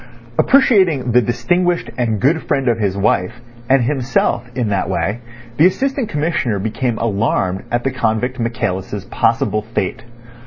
Appreciating the distinguished and good friend of his wife, and himself, in that way, the Assistant Commissioner became alarmed at the convict Michaelis' possible fate.